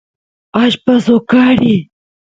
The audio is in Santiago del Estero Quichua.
allpa soqariy